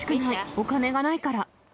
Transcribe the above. お金がないから。